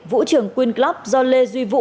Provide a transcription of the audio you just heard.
vũ trường queen club do lê duy vũ